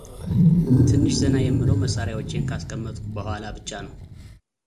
ትንሽ ዘና የምለው መሳሪያዎቼን ካስቀመጥኩ በኋላ ብቻ ነው።